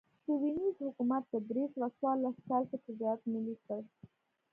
د وینز حکومت په درې سوه څوارلس کال کې تجارت ملي کړ